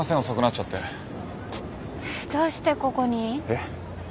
えっ？